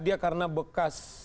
dia karena bekas